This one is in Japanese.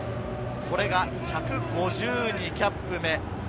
これが１５２キャップ目。